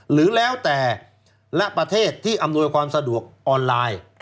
หรือแล้วแต่ละประเทศที่อำนวยความสะดวกออนไลน์